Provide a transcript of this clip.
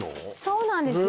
そうなんですよ